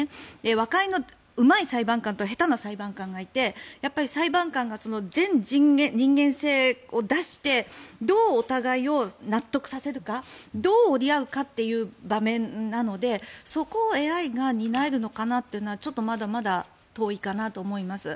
和解のうまい裁判官と下手な裁判官がいて裁判官が全人間性を出してどうお互いを納得させるかどう折り合うかという場面なのでそこをＡＩが担えるのかなってのはちょっとまだまだ遠いかなと思います。